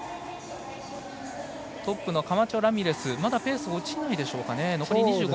トップのカマチョラミレスまだペース落ちないでしょうかね。